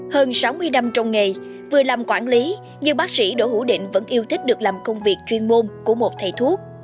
hơn sáu mươi năm trong nghề vừa làm quản lý nhưng bác sĩ đỗ hữu định vẫn yêu thích được làm công việc chuyên môn của một thầy thuốc